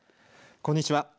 こんにちは。